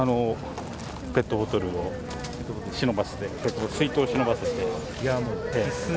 ペットボトルを忍ばせて、水筒を忍ばせて。